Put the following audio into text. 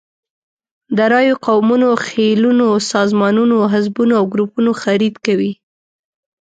د رایو، قومونو، خېلونو، سازمانونو، حزبونو او ګروپونو خرید کوي.